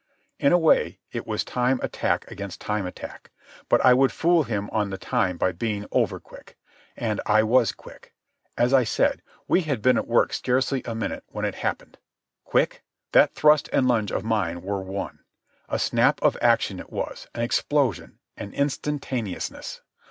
In a way, it was time attack against time attack, but I would fool him on the time by being over quick. And I was quick. As I said, we had been at work scarcely a minute when it happened. Quick? That thrust and lunge of mine were one. A snap of action it was, an explosion, an instantaneousness.